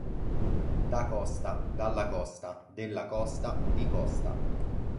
Da Costa, Dalla Costa, Della Costa, Di Costa.